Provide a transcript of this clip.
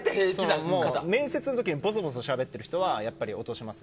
面接の時にぼそぼそしゃべっている人は落とします。